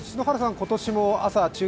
今年も朝中継